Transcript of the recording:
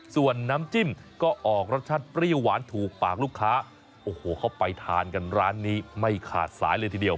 ส่วนน้ำจิ้มก็ออกรสชาติเปรี้ยวหวานถูกปากลูกค้าโอ้โหเข้าไปทานกันร้านนี้ไม่ขาดสายเลยทีเดียว